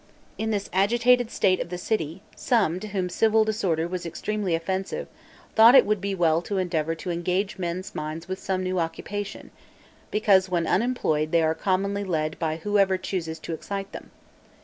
In this agitated state of the city, some, to whom civil discord was extremely offensive, thought it would be well to endeavor to engage men's minds with some new occupation, because when unemployed they are commonly led by whoever chooses to excite them.